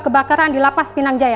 kebakaran dilapas pinang jaya